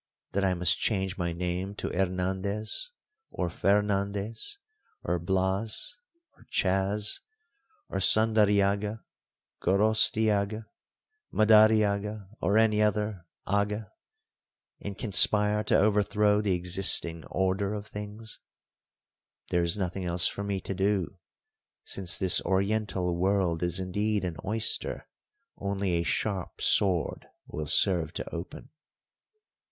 That I must change my name to Ernandes or Fernandes, or Blas or Chas, or Sandariaga, Gorostiaga, Madariaga, or any other 'aga,' and conspire to overthrow the existing order of things. There is nothing else for me to do, since this Oriental world is indeed an oyster only a sharp sword will serve to open.